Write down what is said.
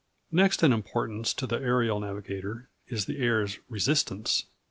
] Next in importance, to the aerial navigator, is the air's resistance.